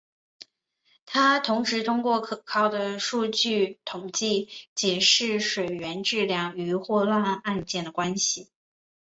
他同时通过可靠的统计数据解释水源质量与霍乱案例的关联。